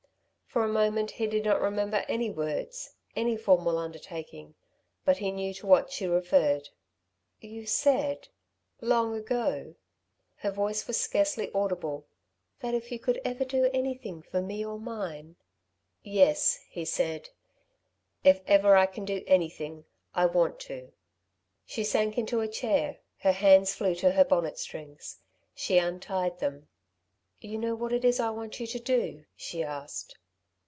For a moment he did not remember any words any formal undertaking; but he knew to what she referred. "You said ... long ago," her voice was scarcely audible, "that if ever you could do anything for me or mine " "Yes," he said. "If ever I can do anything, I want to." She sank into a chair. Her hands flew to her bonnet strings. She untied them. "You know what it is I want you to do?" she asked.